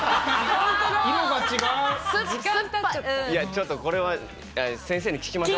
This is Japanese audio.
ちょっとこれは先生に聞きましょ。